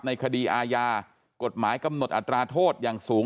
คดีอาญากฎหมายกำหนดอัตราโทษอย่างสูง